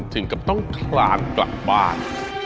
ถึงกับต้องคลานกลับบ้าน